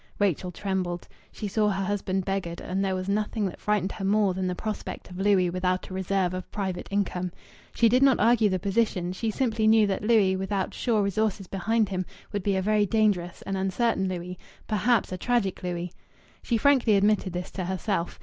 Rachel trembled. She saw her husband beggared, and there was nothing that frightened her more than the prospect of Louis without a reserve of private income. She did not argue the position she simply knew that Louis without sure resources behind him would be a very dangerous and uncertain Louis, perhaps a tragic Louis. She frankly admitted this to herself.